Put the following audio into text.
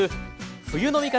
「冬の味方！